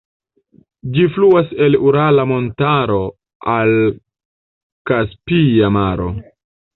Ĝi fluas el Urala montaro al Kaspia maro.